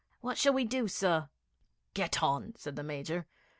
'What shall we do, sir?' 'Get on,' said the Major.